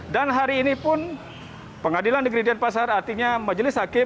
dan hari ini pun pengadilan di gridian pasar artinya majelis hakim